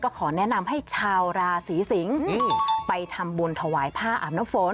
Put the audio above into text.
ขอแนะนำให้ชาวราศีสิงศ์ไปทำบุญถวายผ้าอาบน้ำฝน